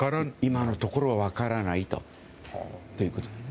今のところは分からないということですね。